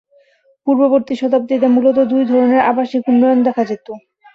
পূর্ববর্তী শতাব্দীতে মূলত দুই ধরনের আবাসিক উন্নয়ন দেখা যেত।